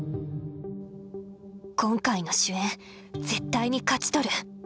今回の主演絶対に勝ち取る。